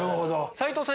斎藤さん